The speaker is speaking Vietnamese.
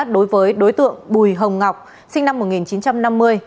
đối với đối tượng bùi hồng ngọc sinh năm một nghìn chín trăm chín mươi năm